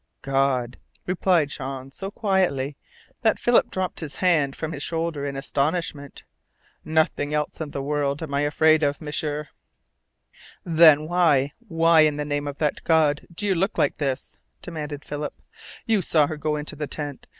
"God," replied Jean so quietly that Philip dropped his hand from his shoulder in astonishment. "Nothing else in the world am I afraid of, M'sieur!" "Then why why in the name of that God do you look like this?" demanded Philip. "You saw her go into the tent.